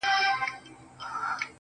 عجيب ساز په سمندر کي را ايسار دی